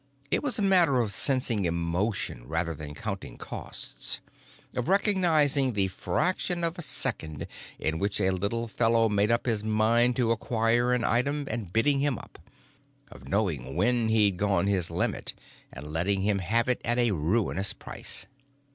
It was a matter of sensing emotion rather than counting costs; of recognizing the fraction of a second in which a little fellow made up his mind to acquire an item and bidding him up—of knowing when he'd gone his limit and letting him have it at a ruinous price.